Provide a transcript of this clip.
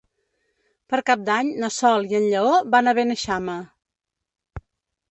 Per Cap d'Any na Sol i en Lleó van a Beneixama.